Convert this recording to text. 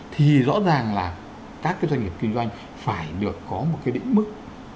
thì rõ ràng là các cái doanh nghiệp kinh doanh phải được có một cái định mức